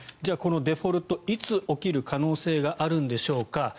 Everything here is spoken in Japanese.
デフォルトいつ起きる可能性があるんでしょうか。